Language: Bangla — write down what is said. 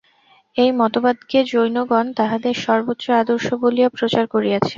এই মতবাদকে জৈনগণ তাঁহাদের সর্বোচ্চ আদর্শ বলিয়া প্রচার করিয়াছেন।